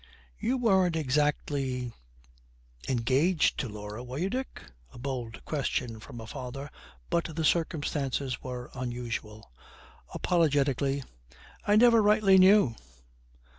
'You weren't exactly engaged to Laura, were you, Dick?' A bold question from a father, but the circumstances were unusual. Apologetically, 'I never rightly knew.'